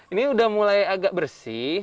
ini udah mulai agak bersih